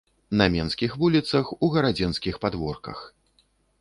На менскіх вуліцах, у гарадзенскіх падворках.